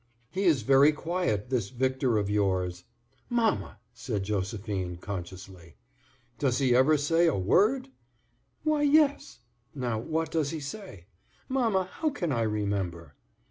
"He is very quiet, this Victor of yours." "Mamma!" said Josephine, consciously. "Does he never say a word?" "Why, yes." "Now, what does he say?" "Mamma, how can I remember?"